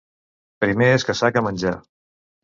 Primer és caçar que menjar.